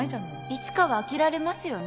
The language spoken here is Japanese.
いつかは飽きられますよね。